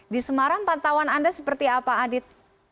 di semarang pantauan anda seperti apa adit